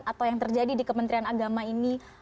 atau yang terjadi di kementerian agama ini